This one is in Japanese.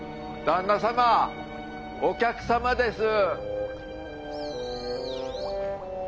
旦那様お客様です。